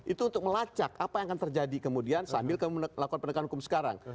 itu untuk melacak apa yang akan terjadi kemudian sambil melakukan pendekatan hukum sekarang